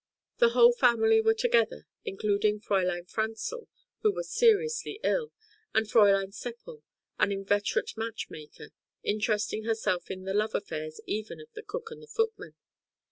The whole family were together, including Fräulein Franzl, who was seriously ill, and Fräulein Sepperl, an inveterate match maker, interesting herself in the love affairs even of the cook and the footman.